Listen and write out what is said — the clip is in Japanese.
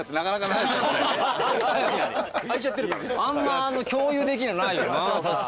あんま共有できるのないよな。